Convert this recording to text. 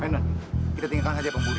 penon kita tinggalkan saja pembunuh ini